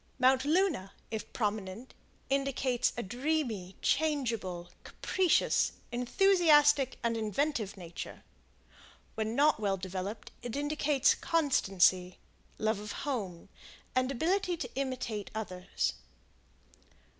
Mount Luna, if prominent, indicates a dreamy, changeable, capricious, enthusiastic, and inventive nature. When not well developed, it indicates constancy, love of home, and ability to imitate others.